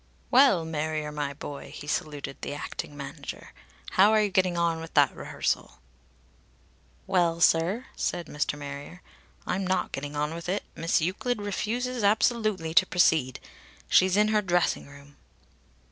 "Well, Marrier, my boy," he saluted the acting manager, "how are you getting on with that rehearsal?" "Well, sir," said Mr. Marrier, "I'm not getting on with it. Miss Euclid refuses absolutely to proceed. She's in her dressing room."